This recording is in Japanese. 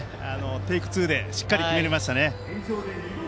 テイク２でしっかりと決めていましたね。